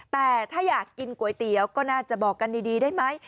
แต่ถ้าอยากกินก๋วยเตี๋ยวก็น่าจะบอกกันดีได้ไหม